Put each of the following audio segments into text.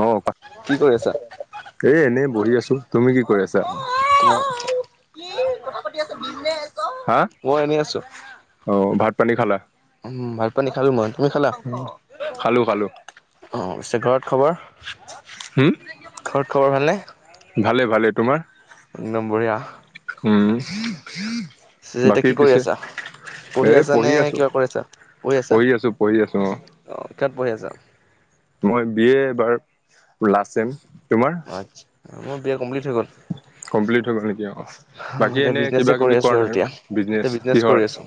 অ কি কৰি আছা? এ, এনেই বহি আছো। তুমি কি কৰি আছা? মই [unintelligible] হা, মই এনেই আছো। অ, ভাত-পানী খালা? উম, ভাত-পানী খালো মই। তুমি খালা? খালো খালো অ, পিছে ঘৰত খবৰ? হুম, ঘৰত খবৰ ভালনে? ভালে-ভালে। তোমাৰ? একদম বঢ়িয়া। উম'। পিছে এতিয়া বাকী কি কৰি পিছে আছা? পঢ়ি এই আছা নে, আছো কিবা কৰি আছা, পঢ়ি আছা? আছো পঢ়ি আছো অ, কিহত পঢ়ি আছা? মই বিএ এবাৰ, লাষ্টছেম। আতচ্ছা, মোৰ বিএ কমপ্লিট হৈ গ'ল। কমপ্লিট হৈ গ'ল নেকি? অ। বাকী এতিয়া এনে কিবা বিজনেছে কৰি কিবি আছো কৰা নাই আৰু আৰুএতিয়া। বিজনেচ এইয়া বিজনেছ কিহৰ কৰি আছো।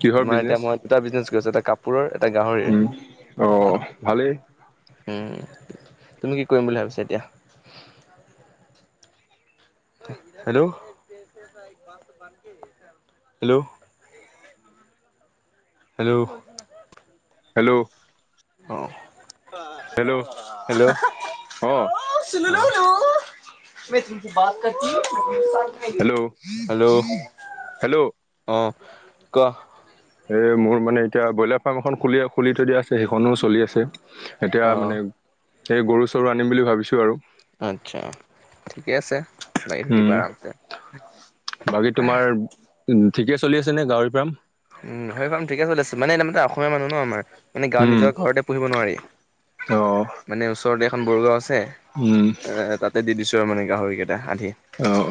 কিহৰ তোমাৰ এতিয়া বিজনেচ মই দুটা বিজনেচ কৰিছো, এটা কাপোৰৰ, এটা উম অ গাহৰিৰ। ভালেই উম', তুমি কি কৰিম বুলি ভাবিছা এতিয়া? Hello, hello. হেল্ল', হেল্ল', অ হেল্ল, অ হেল্ল' হেল্ল, অ হেল্ল, হেল্ল' ' হেল্ল', অ, কোৱা? এ মোৰ মানে এতিয়া, ব্ৰইলাৰ ফাৰ্ম এখন খুলি-খুলি থৈ দিয়া আছে, সেইখনোও চলি আছে। এতিয়া অ মানে, এই গৰু-চৰু আনিম বুলি ভাবিছো আৰু। আতচ্ছা, ঠিকে আছে লাগি থাকিবা উম আৰামছে বাকী তোমাৰ, ঠিকে চলি আছে নে গাহৰি ফাৰ্ম। উম, সেইখন ঠিকে চলি আছে। মানে [unintelligible] অসমীয়া মানুহ ন আমাৰ, মানে গাঁৱত নিজৰ ঘৰতে পোহিব নোৱাৰি। অঁ মানে ওচৰতে এখন বড়ো গাওঁ আছে। এ তাত তাতে দি দিছো আৰু, মানে গাহৰিকেইটা আন্দি। অঁ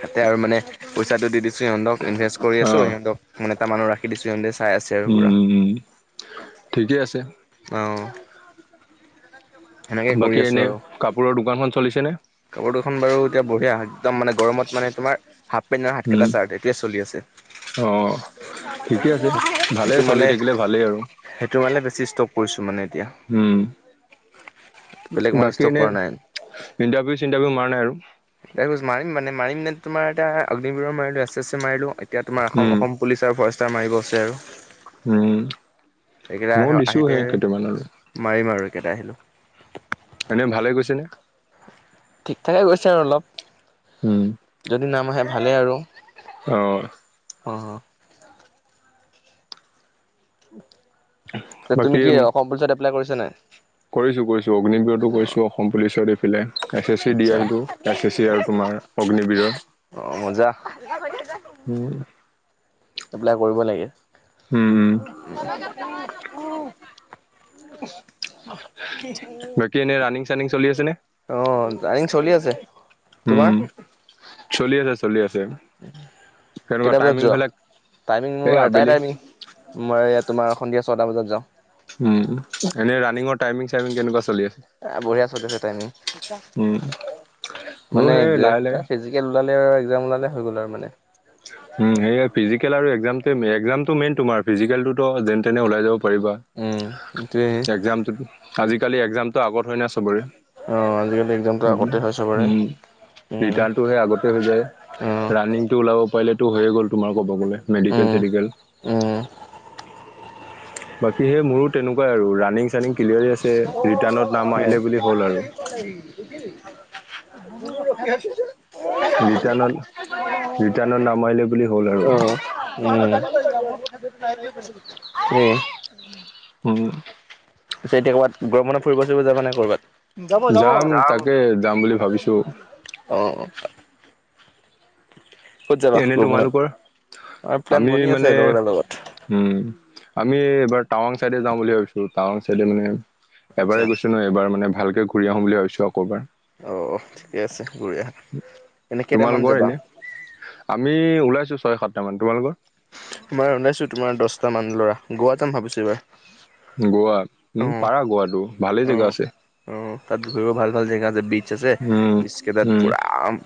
তাতে আৰু মানে পইচাটো দি দিছো সিহঁতক ইনভেষ্ট কৰি আছো। অঁ সিহঁতক মানে এটা মানুহ ৰাখি দিছো সিহঁতে চাই আছে আৰু পোৰা। ঠিকেই আছে। অ, সেনেকে কৰি বাকী আছো এনেই আৰু কাপোৰৰ দোকানখন চলিছেনে। কাপোৰ দুখন বাৰু এতিয়া বঢ়িয়া একদম মানে গৰমত মানে তোমাৰ। হাফ পেণ্ট আৰু হাত কেটা চাৰ্ট এইতোৱে চলি অঁ আছে। ঠিকে আছে সেইটো ভালেই চলি মানে থাকিলে ভালেই আৰু সেইটো মানে বেছি ষ্টক কৰিছো মানে এতিয়া। বেলেগ উম মানে বাকী ষ্টক এনেই কৰা নাই ইণ্টাৰভিউ চিণ্টাৰভিউ মাৰা নাই আৰু তাকে কৈছোঁ মাৰি মানে মাৰিম নে তোমাৰ এতিয়া অগ্নিবিৰৰ মাৰিলো এচেছিএছ মাৰিলো এতিয়া তোমাৰ অসম উম অসম, পুলিচাৰ ভৰেষ্টৰ মাৰিব আছে আৰু উম এইকেইটা আহ ময়োও দিছো আহিলে সেই কেইটামানলৈ। মাৰিম আৰু একেটা আহিলো। এনেই ভালে গৈছেনে। ঠিক ঠাকে গৈছে আৰু অলপ। উম, যদি নাম আহে ভালেই আৰু অ, অহ, তুমি কি অসম পুলিচত এপ্লাই কৰিছা নাই। কৰিছোঁ কৰিছোঁ অগ্নিবিৰতো কৰিছোঁ অসম পুলিচত এফিলে এছ এছ চি দি আচ্ছা আহিলোঁ এছ এছ চি আৰু তোমাৰ। অগ্নিবীৰৰ। অ মজা। উম এপ্লাই কৰিব লাগে। উম উম, বাকী এনে ৰানিং চানিং চলি আছে নে। অ ৰানিং চলি আছে। তোমাৰ উম চলি আছে চলি আছে। তেনেকুৱা কেইটা বজাত টাইমিং যোৱা বিলাক টাইমিং এই মোৰ এটাই আবেলি টাইমিং, মই তোমাৰ সন্ধিয়া ছয়টা বজাত যাওঁ। উম এনেই ৰানিঙৰ টাইমিং চাইমিং কেনেকুৱা চলি আছে। বঢ়িয়া চলি আছে টাইমি উম মোৰো মানে এক সেই ল লাহে লাহে ওলালে আৰু এক্সাম ওলালে হৈ গ'ল আৰু মানে। উ সেয়ে ফিজিকেল আৰু এক্সজামটো এক্সজামটো মেইন তোমাৰ ফিজিকেলটো যেন তেনে ওলাই যাব পাৰিবা। উম, এইটোয়ে এক্সজাম আজিকালি এক্সজামতটো আগত হয় ন চবৰে। অ' আজিকালি এক্জামটো আগতে হয় চবৰে। উম, উম, ৰিটাৰ্ণটো সে আগতে হৈ যায় অ', ৰাণিংটো ওলাব। পাৰিলেতো হৈয়ে গ'ল তোমাৰ ক'ব গ'লে মেডিকেল উম, চেডিকেল। উম, বাকী সেই মোৰো তেনেকুৱাই আৰু ৰানিং চানিং ক্লিয়াৰী আছে ৰিটাৰ্ণত নাম অ', উম। আহিলে বুলি- হল আৰু ৰিটাৰ্ণত ৰিটাৰ্ণত নাম আহিলে বুলি হ'ল আৰু। উম উম। উম। পিছে এতিয়া ক'বাত গৰম বন্ধত ফুৰিব চুৰিব যাবা নাই ক'বাত? যাব যাব, যাম তাকে যাম বুলি ভাবিছো অ। ক'ত যাবা এনে গৰম বন্ধত? তোমালোকৰ? আমাৰ প্লেন আমি বনি আছে মানে লগৰ এটাৰ লগত। উম আমি এইবাৰ টাৱাং চাইডে যাওঁ বুলি ভাবিছো টাৱাং চাইডে মানে আচ্ছা, এবাৰে গৈছো ন এইবাৰ মানে ভালকে ঘূৰি আহো বুলি ভাবিছো আকৌ এবাৰ। অ অ ঠিকে আছে ঘূৰি আহা। এনে কেইটামান তোমালোকৰ যাবা? এনে? আমি ওলাইছো ছয় সাতটা মান, তোমালোকৰ? আমাৰ ওলাইছো তোমাৰ দছটা মান ল'ৰা, গ'ৱা যাম ভাবিছো এইবাৰ। গ'ৱা? অ'। উম পাৰা গ'ৱাটো ভালে জেগা অ', আছে। অ তাত ঘুৰিবও ভাল ভাল জেগা আছে বিট আছে উম বিছ কেইতাত উম পুৰা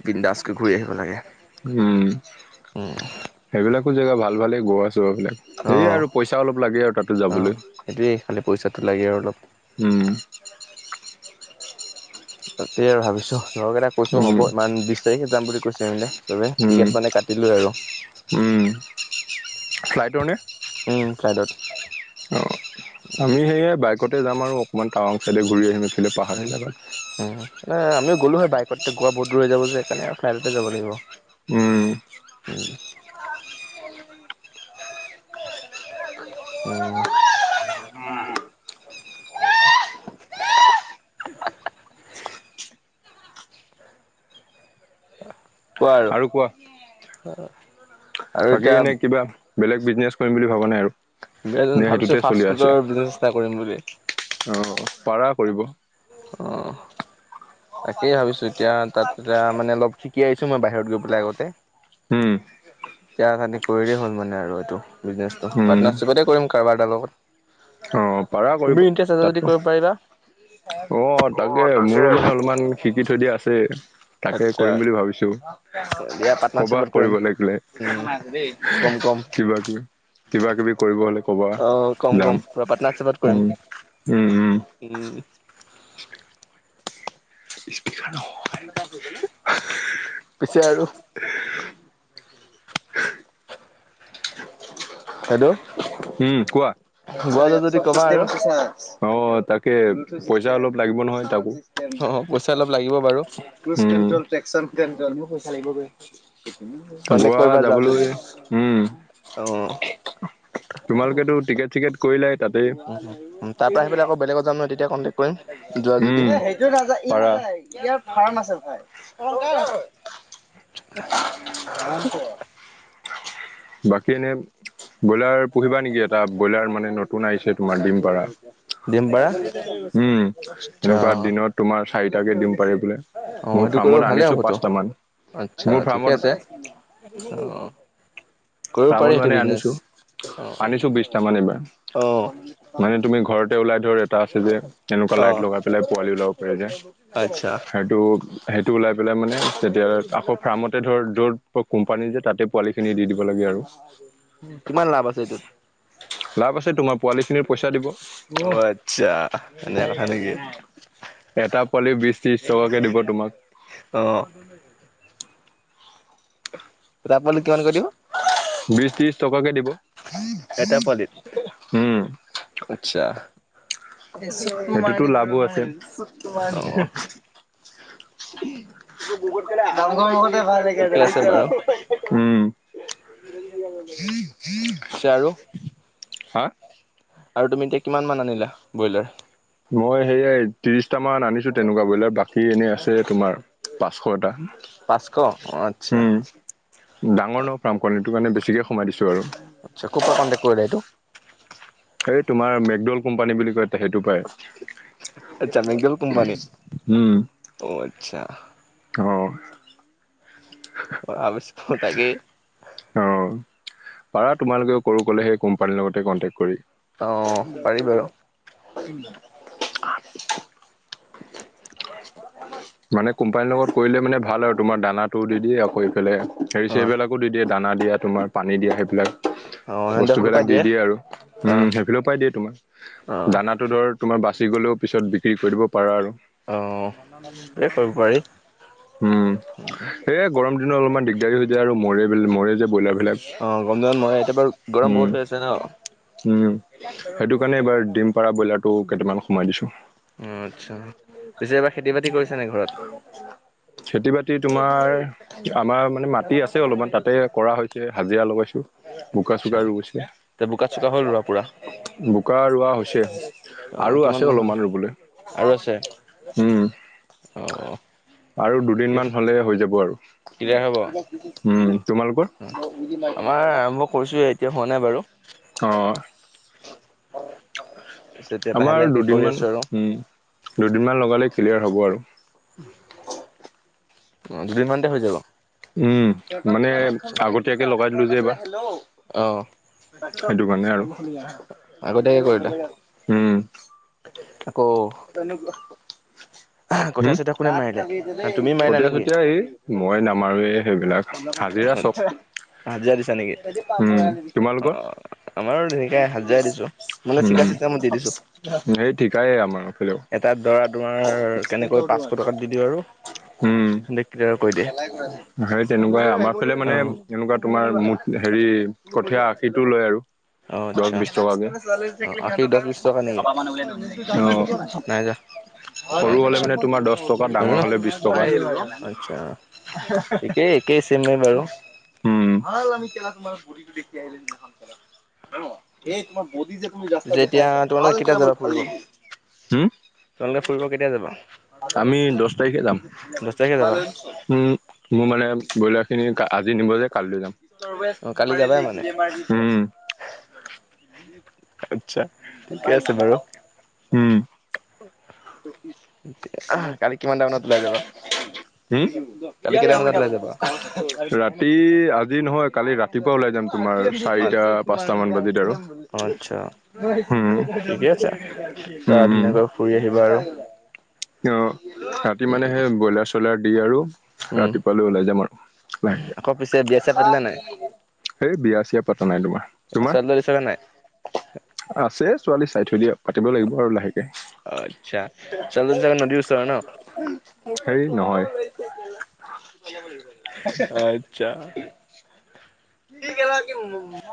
বিন্দাছ কে ঘূৰি আহিব লাগে। উম। উম। সেইবিলাকো জেগা ভাল-ভালে গ'ৱা চ'ৱাবিলাক। সেইয়ে অ', আৰু পইচা অলপ লাগে আৰু তাতে অ', যাবলৈ, সেইটোৱেই খালি পইচাটো লাগে আৰু অলপ। উম। তাকে আৰু ভাবিছো লগৰ কেইটাক কৈছো উম হ'ব ইমান বিছ তাৰিখে যাম বুলি কৈছো [unintelligible] চবে উম টিকেট মানে কাটিলোয়ে আৰু। উম ফ্লাইটৰ নে? উম, ফ্লাইটত। অ, আমি সেয়ে বাইকতে যাম আৰু অকমান টাৱং চাইডে ঘূৰি আহিম। এইফালে পাহাৰ উম, এলেকাত উম-উম। এই আমিও গ'লো হয় বাইকতে গোৱা বহুত দূৰ হৈ যাব যে সেইকাৰণে ফ্লাইটতে যাব লাগিব। উম। উম। [unintelligible] উম। কোৱা আৰু। আৰু বাকী এতিয়া এনে কিবা বেলেগ বিজনেচ কৰিম বুলি ভাবা নে আৰু? নে [unintelligible] ভাবিছো সেইটোতে চলি আছে ফাষ্ট-ফুডৰ বিজনেছ এটা কৰিম বুলি। অ, পাৰা কৰিব। অ, তাকেই ভাবিছো এতিয়া তাত এতিয়া মানে অলপ শিক কি আহিছোঁ মই বাহিৰত গৈ পেলাই আগতে। উম। এতিয়া মানে কৰিলেই হ'ল মানে আৰু এইটো বিজনেচটো উম পাৰ্টনাৰশ্বিপতে কৰিম কাৰোবাৰ এটাৰ লগত। অ তুমি ইণ্টাৰেষ্ট আছা যদি কৰিব পাৰিবা। অঁ তাকে মোৰো মানে অলপমান শিকি থৈ দিয়া আছে। তাকে আচ্ছা কৰিম বুলি ভাবিছো, দিয়া কবা পাৰ্টনাৰশ্বিপত কৰিম। কৰিব লাগিলে। উম কম কম কিবা-কিবি, কিবা-কিবি কৰিব হ'লে ক'বা, যাম। পাট্নাৰছিপত কৰিম, উম উম উম উম। [inaudible] ইস্পীকাৰ নহয়। পিছে আৰু? হেল্ল' উম কোৱা। আচ্ছা গোৱা যোৱা ইয়াত যদি চব ক'বা চিচতেম আৰু আছে ছা। অ তাকে পইচা অলপ লাগিব নহয় তাকো। অ পইচা অলপ লাগিব বাৰু ইউচ উম', ট্ৰিয়েক্টোল ট্ৰাকচন জান', -জানিব পইচা লাগিব বে', কণ্টেক্ট গোৱা যাবলৈ, উম', অহ', তোমালোকেটো টিকেট চিকেট কৰিলাই তাতে, তাৰ পৰা আহি পেলাই আকৌ বেলেগত যাম ন তেতিয়া কণ্টেক্ট কৰিম যোৱা যদি উম। পাৰা। ইয়াৰ ফাৰ্ম আছে ভাই [unintelligible] বাকী এনেই ব্ৰইলাৰ', পুহিবা নেকি? এটা ব্ৰইলাৰ মানে নতুন আহিছে তোমাৰ ডিম পাৰা', ডিমপাৰা উম', এনেকুৱা আচ্ছা। দিনত তোমাৰ চাৰিটাকে দিম পাৰে বোলে', অ মোৰ সেইটো কৰিব ফাৰ্মত ভালে আনিছোঁ হ'বতো পাঁচটা মান', আচ্ছা মোৰ ঠিকে ফাৰ্মত', আছে অ কৰিব পাৰি ফাৰ্মত সেইটো মানে বিজনেচ আনিছোঁ, অ আনিছোঁ বিশটামান এইবাৰ', অ মানে তুমি ঘৰতে ওলাই ধৰ ৰেত', এটা আছে যে, তেনেকুৱা অ লাইট লগাই পেলাই পোৱালি ওলাব পাৰে যে, আচ্ছা সেইটো', সেইটো ওলাই পেলাই মানে তেতিয়া আকৌ ফাৰ্মতে ধৰ', য'ত বা কোম্পানী যে তাতে পোৱালি খিনি দি দিব লাগে আৰু', কিমান লাভ আছে এইটোত? লাভ আছে তোমাৰ, পোৱালিখিনিৰ পইচা দিব', অ', আচ্ছা, এনেকে কথা নেকি? এটা পোৱালি বিশ ত্ৰিশ টকাকে দিব তোমাক', অহ', এটা পোৱালিত কিমানকে দিব? বিশ ত্ৰিশ টকাকে দিব', এটা পোৱালিত, উম আচ্ছা', এ', চিঞৰ মাৰি, সেইটোতো লাভো আছে', অ চুতমাৰানি হে', উম', তোক বিহুত কেলা, যাওঁ', - যাওঁ', লগতে ঢেকিয়াল ঠিকে যাবি আছে কেলা বাৰু হিঃ-হিঃ-হিঃ', উম', পিছে আৰু? হা? আৰু তুমি এতিয়া কিমান মান আনিলা ব্ৰইলাৰ? মই সেয়াই ত্ৰিশটা মান আনিছোঁ তেনেকুৱা ব্ৰইলাৰ, বাকী এনেই আছে তোমাৰ', পাঁচশ এটা', পাঁচশ, অ', আচ্ছা', উম ডাঙৰ ন ফাৰ্ম কণিটোৰ কাৰণে বেছিকৈ সোমাই দিছোঁ বাৰু', আচ্ছা', কপা কণ্টেক্ট কৰিলা এইটো? এই তোমাৰ মেকড'ল কোম্পানী বুলি কয় সেইটো পাই', আচ্ছা মেকডল কোম্পানী উম', অ', আচ্ছা', অ', -অহ', মই ভাবিছিলোঁ তাকে', অ', পাৰা তোমালোকে কৰো ক'লে সেই কোম্পানীৰ লগতে কণ্টেক্ট অ পাৰি কৰি', বাৰু [unintelligible] মানে কোম্পানীৰ লগত কৰিলে মানে ভাল আৰু তোমাৰ দানাটো দি দিয়ে আকৌ ইফালে', হেৰি অ চেৰি বিলাকো দি দিয়ে দানা দিয়া তোমাৰ পানী দিয়া সেইবিলাক', অ সিহঁতৰ ফালৰ পৰা বস্তুবিলাক দি দিয়ে আৰু অ', উম', সেইফিলৰ পাই দিয়ে তোমাক অ', দানা', সেইটো ধৰ তোমাৰ বাচি গ'লেও পিছত বিক্ৰী কৰিব পাৰা আৰু', অ', এই কৰিব পাৰি? উম', এই গৰম দিনত অলপমান দিগদাৰী হৈ যায় আৰু মৰে ব্ৰই', মৰে যে ব্ৰইলাৰ বিলাক', অ', গৰম দিনত মৰে এতিয়া বাৰু গৰম বহুত হৈ আছে ন', উম', সেইটো কাৰণে এইবাৰ ডিম পাৰা ব্ৰইলাৰটো কেইটামান সোমাই দিছোঁ', অ আত্চ্ছা। [unintelligible] [inaudible] খেতি বাতি তোমাৰ, আমাৰ মানে মাটি আছে অলপমান তাতে কৰা হৈছে, হাজিৰা লগাইছোঁ', বোকা আচ্ছা, চোকা ৰু গৈছে, তে বোকা চোকা হ'ল ৰোৱা পুৰা? বোকা ৰুৱা হৈছে', অ', আৰু কিমান আছে মান হ'ল? অলপমান ৰুবলৈ', আৰু আছে। উম অ', আৰু দুদিনমান হলে হৈ যাব আৰু। ক্লিয়াৰ হ'ব? উম, তোমালোকৰ? আমাৰ আৰম্ভ কৰিছোৱে এতিয়া হোৱা নাই বাৰু। অ পিছে এতিয়া লাহে আমাৰ লাহেকে কৰি দুদিনমান আছো আৰু। উম দুদিনমান লগালেই ক্লিয়াৰ হ'ব আৰু। উ দুদিনমানতে হৈ যাব। উম মানে আচ্ছা, আগতীয়াকে লগাই দিলো যে এইবাৰ। অ। সেইটো কাৰণে আৰু। আগতীয়াকে কৰিলা? [unintelligible] উম। আকৌ কঠীয়া চঠীয়া কোনে মাৰিলে? তুমি মাৰিলা নেকি? [unintelligible] মই নামাৰো এই সেইবিলাক হাজিৰা চব আচ্ছা, হাজিৰা দিছা নেকি? উম, অ তোমালোকৰ? আমাৰো তেনেকে হাজিৰা দিছো মানে উম ঠিকা চিষ্টেমত দি দিছো সেই ঠিকাইে আমাৰ। ফালেও এটা দৰা তোমাৰ কেনেকৈ পাঁচশ টকাত দি দিওঁ আৰু উম সেডে ক্লিয়াৰ কৰি দিয়ে। সেই তেনেকুৱাই আমাৰ ফলে অ মানে এনেকুৱা তোমাৰ মুঠ হেৰি কঠীয়া আশীৰটো লয় আৰু। অ দছ আচ্ছা বিশ টকাকে অ আশী দহ বিশ টকা নেকি [unintelligible] নাই যোৱা সৰু হ'লে আচ্ছা মানে তোমাৰ দহ টকা ডাঙৰ নাজানো হলে বিশ টকা আচ্ছা [unintelligible] [unintelligible] ঠিকেই একেই চেমে বাৰু [unintelligible] এই তোমাৰ বডি যে তুমি ৰাস্তা পিছে দেখাই এতিয়া আছা ভাল তোমালোকে কেতিয়া কেলা মোৰ যাবা ভাল ফুৰিব লাগিছে, হুম, তোমালোকে ফুৰিব এইটো কেতিয়া যাবা আমি দছ তাৰিখে যাম। দহ তাৰিখে যাবা [unintelligible] উ মোৰ মানে ব্ৰইলাৰখিনি আজি নিব যে কালিলৈ যাম। ইষ্টৰ ৱেষ্ট অ কালি যাবাই ছোপাৰেলি মানে গেলেমাৰ [unintelligible] আচ্ছা ঠিকে আছে বাৰু। উম [unintelligible] [unintelligible] কালি কিমান টা মানত ওলাই যাবা কালি কেইটা বজাত ওলাই যাবা ৰাতি আজি নহয় কালি ৰাতিপুৱা ওলাই যাম তোমাৰ। চাৰিটা পাঁচটা মান বাজিত আৰু উ আচ্ছা ঠিকে আছে। পুৰা ধুনীয়াকৈ ফুৰি আহিবা আৰু অ ৰাতি মানে সেই ব্ৰইলাৰ চইলাৰ দি আৰু উম ৰাতিপুৱালৈ ওলাই যাম আৰু লাহেকে আকৌ পিছে বিয়া চিয়া পাতিলা নাই? [unintelligible] এই বিয়া চিয়া পতা নাই তোমাৰ। তোমাৰ? ছোৱালী তোৱালী চালা নাই? আছে ছোৱালী চাই থৈ দিয়া পাতিব লাগিব আৰু লাহেকে। আচ্ছা ছোৱালী জনী চাগে নদী ওচৰৰ ন। হেৰি নহয়। [unintelligible] আচ্ছা [unintelligible]